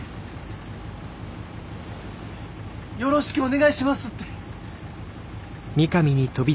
「よろしくお願いします」って！